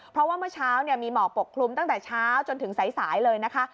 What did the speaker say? เพราะว่าเมื่อเช้ามีหมอกปกคลุมตั้งแต่เช้าจนถึงสายเลยนะคะ